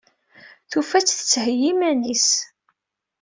Tufa-tt tettheyyi iman-is.